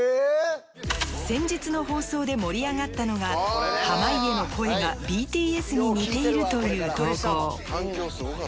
先日の放送で盛り上がったのが濱家の声がＢＴＳに似ているという投稿